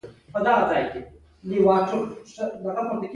د کینشاسا په شمال ختیځ کې پلازمېنې ته رسېږي